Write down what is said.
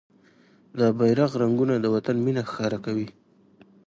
د بېرغ رنګونه د وطن مينه ښکاره کوي.